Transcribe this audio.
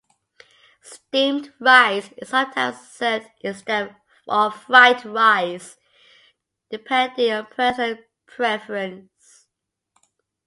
Steamed rice is sometimes served instead of fried rice, depending on personal preference.